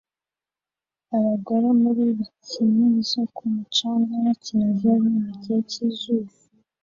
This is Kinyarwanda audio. Abagore muri bikini zo ku mucanga bakina volley mu gihe cyizuba